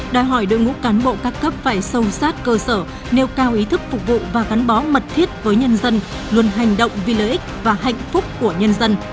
đòi hỏi đội ngũ cán bộ các cấp phải sâu sát cơ sở nêu cao ý thức phục vụ và gắn bó mật thiết với nhân dân luôn hành động vì lợi ích và hạnh phúc của nhân dân